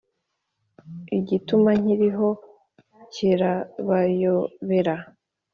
igituma nkiriho kirabayobera.